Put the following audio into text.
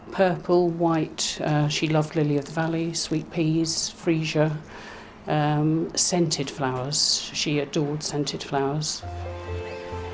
merah putih dia suka lili di balai kacang manis freesia bunga berbentuk dia menghantar bunga berbentuk